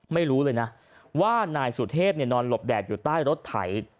ไม่รู้เลยนะว่านายสุเทพนอนหลบแดดอยู่ใต้รถไถ